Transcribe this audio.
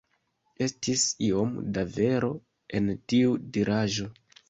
Estis iom da vero en tiu diraĵo.